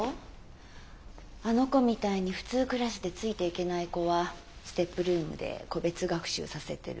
あの子みたいに普通クラスでついていけない子はＳＴＥＰルームで個別学習させてる。